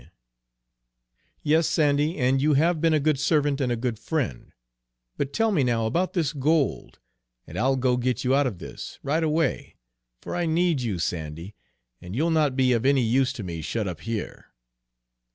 "Yes, Sandy, and you have been a good servant and a good friend; but tell me now about this gold, and I'll go and get you out of this, right away, for I need you, Sandy, and you'll not be of any use to me shut up here!"